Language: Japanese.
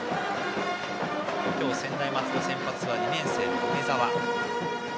今日、専大松戸の先発は２年生の梅澤。